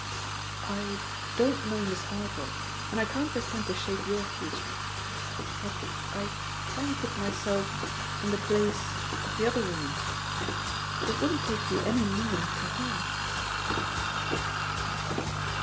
I don't fcoow Miss Harper, and I can't pretend to shape your future, but I can put myself in the place of the other woman — ^it wouldn't take you any nearer to her.'